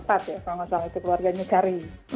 kalau tidak salah itu keluarganya cari